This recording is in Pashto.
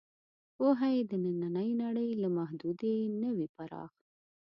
پوهه یې د نننۍ نړۍ له محدودې نه وي پراخ.